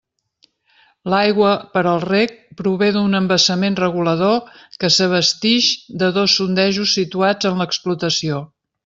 L'aigua per al reg prové d'un embassament regulador que s'abastix de dos sondejos situats en l'explotació.